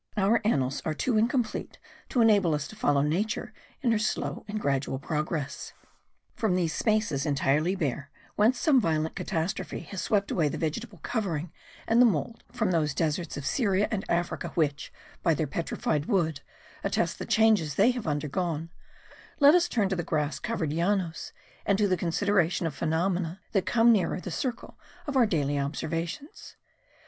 Our annals are too incomplete to enable us to follow Nature in her slow and gradual progress. From these spaces entirely bare whence some violent catastrophe has swept away the vegetable covering and the mould; from those deserts of Syria and Africa which, by their petrified wood, attest the changes they have undergone; let us turn to the grass covered Llanos and to the consideration of phenomena that come nearer the circle of our daily observations.